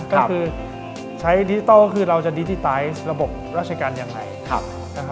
ก็คือใช้ดิจิทัลก็คือเราจะดิจิไตล์ระบบราชการอย่างไร